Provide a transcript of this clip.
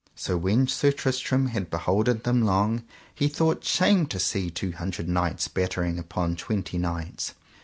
So when Sir Tristram had beholden them long he thought shame to see two hundred knights battering upon twenty knights.